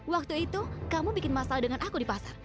waktu itu kamu bikin masalah dengan aku di pasar